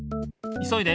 いそいで。